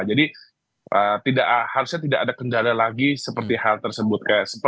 jadi tidak harusnya tidak ada kendala lagi seperti hal tersebut